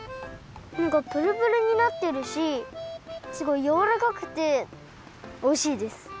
なんかプルプルになってるしすごいやわらかくておいしいです。